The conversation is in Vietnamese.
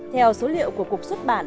theo số liệu của cục xuất bản